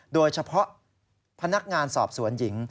โดยเฉพาะพนักงานสอบสวนหญิง